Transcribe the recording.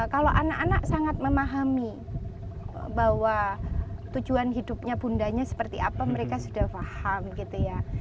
kalau anak anak sangat memahami bahwa tujuan hidupnya bundanya seperti apa mereka sudah paham gitu ya